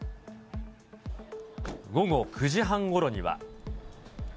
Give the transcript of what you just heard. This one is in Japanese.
午後９時半ごろには。